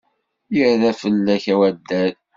Yerra fell-ak wadal.